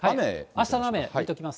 あしたの雨、見ておきます。